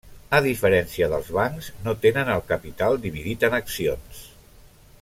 A diferència dels bancs, no tenen el capital dividit en accions.